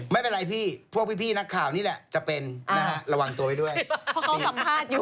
ไม่เป็นไรพี่พวกพี่นักข่าวนี่แหละจะเป็นระวังตัวไว้ด้วย